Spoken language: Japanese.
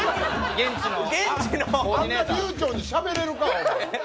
あんな流暢にしゃべれるか！